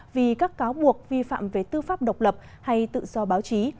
vì các cáo buộc vi phạm về tư pháp độc lập hay tự do báo chí